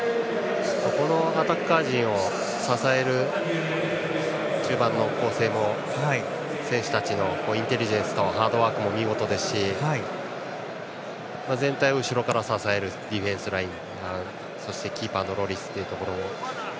このアタッカー陣を支える中盤の構成も選手たちのインテリジェンスとハードワークも見事ですし全体を後ろから支えるディフェンスラインそして、キーパーのロリスというところで。